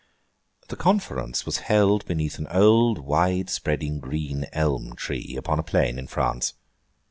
The conference was held beneath an old wide spreading green elm tree, upon a plain in France.